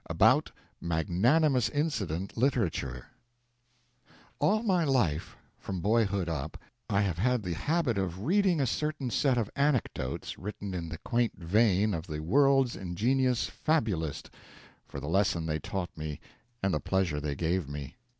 ABOUT MAGNANIMOUS INCIDENT LITERATURE All my life, from boyhood up, I have had the habit of reading a certain set of anecdotes, written in the quaint vein of The World's ingenious Fabulist, for the lesson they taught me and the pleasure they gave me.